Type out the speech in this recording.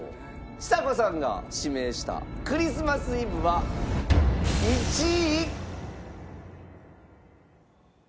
ちさ子さんが指名した『クリスマス・イブ』は１位。